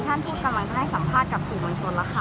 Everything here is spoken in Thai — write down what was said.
ท่านทูตกำลังจะได้สัมภาษณ์กับสื่อมวลชนแล้วค่ะ